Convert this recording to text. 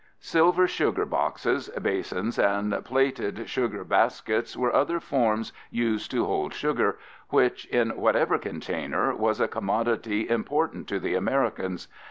Silver sugar boxes, basins, and plated sugar baskets were other forms used to hold sugar, which, in whatever container, was a commodity important to the Americans.